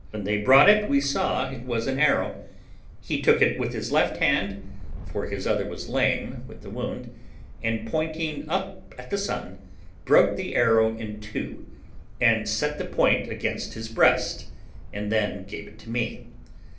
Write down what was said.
When they brought it, we saw it was an arrow; he took it with his left hand (for his other was lame with the wound), and, pointing up at the sun, broke the arrow in two, and set the point against his breast, and then gave it to me.